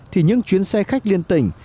thì những chuyến xe khách liên tỉnh